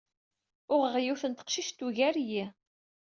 Uɣeɣ yiwet n teqcict tugar-iyi.